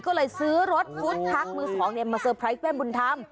ก็เลยซื้อรถฟุตพักมือสองเนี่ยมาเซอร์ไพรคแม่บุญธรรม